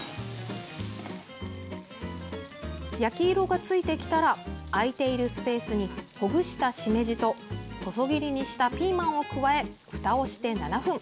焼き色が付いてきたら空いているスペースにほぐしたしめじと細切りにしたピーマンを加えふたをして７分。